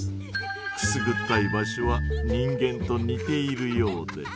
くすぐったい場所は人間と似ているようで。